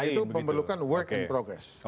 nah itu memerlukan work in progress